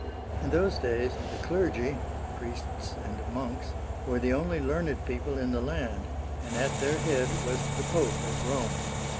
In those days, the clergy (priests and monks) were the only learned people in the land, and at their head was the Pope at Rome.